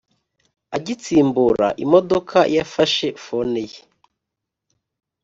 agitsimbura imodoka yafashe fone ye